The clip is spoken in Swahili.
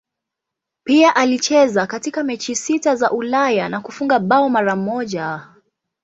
Pia alicheza katika mechi sita za Ulaya na kufunga bao mara moja.